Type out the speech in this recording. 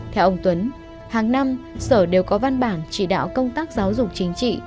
theo ông tuấn hàng năm sở đều có văn bản chỉ đạo công tác giáo dục chính trị